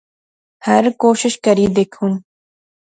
ہر کوشش کری دیکھیون